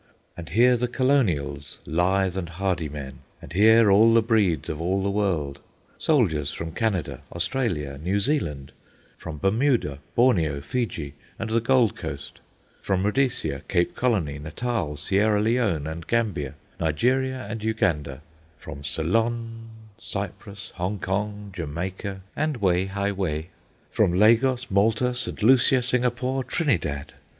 And here the colonials, lithe and hardy men; and here all the breeds of all the world soldiers from Canada, Australia, New Zealand; from Bermuda, Borneo, Fiji, and the Gold Coast; from Rhodesia, Cape Colony, Natal, Sierra Leone and Gambia, Nigeria, and Uganda; from Ceylon, Cyprus, Hong Kong, Jamaica, and Wei Hai Wei; from Lagos, Malta, St. Lucia, Singapore, Trinidad.